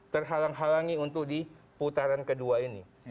terhalang halangi untuk di putaran kedua ini